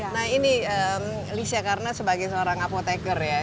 nah ini lisha karena sebagai seorang apotekar ya